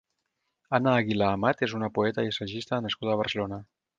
Anna Aguilar-Amat és una poeta i assagista nascuda a Barcelona.